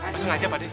masang aja pak dek